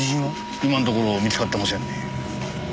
今のところ見つかってませんねえ。